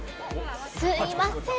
すみません。